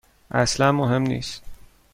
اصلا مهم نیست.